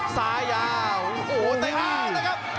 ซ้ายาวตายห้า